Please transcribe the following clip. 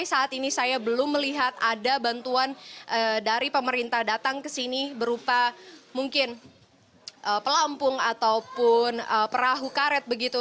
saat ini saya belum melihat ada bantuan dari pemerintah datang ke sini berupa mungkin pelampung ataupun perahu karet begitu